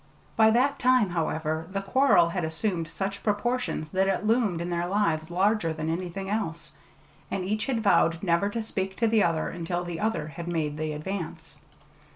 By that time, however, the quarrel had assumed such proportions that it loomed in their lives larger than anything else; and each had vowed never to speak to the other until that other had made the advance.